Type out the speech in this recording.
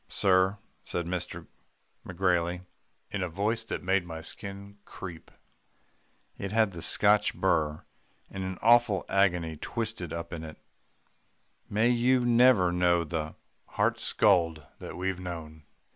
'Sir,' said McGrailey in a voice that made my skin creep it had the Scotch burr, and an awful agony twisted up with it 'may you never know the heart scald that we've known.